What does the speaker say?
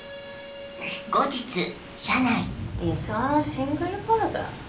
理想のシングルファーザー？